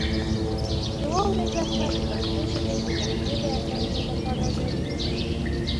د واورئ برخه د پښتو ژبې د لهجو د ارزونې لپاره ضروري ده.